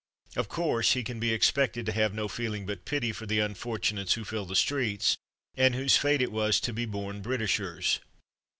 Of course he can be expected to have no feeling but pity for the unfortunates who fill the streets, and whose fate it was to be born Britishers.